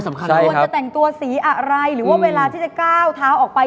ควรจะแต่งตัวสีอะไรหรือว่าเวลาที่จะก้าวเท้าออกไป